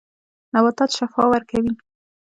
نباتات شفاء ورکوي.